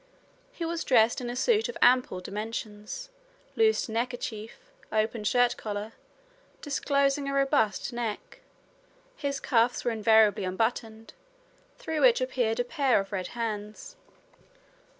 He was dressed in a suit of ample dimensions, loose neckerchief, open shirtcollar, disclosing a robust neck; his cuffs were invariably unbuttoned, through which appeared a pair of red hands.